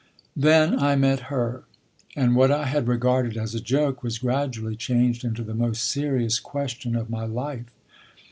Then I met her, and what I had regarded as a joke was gradually changed into the most serious question of my life.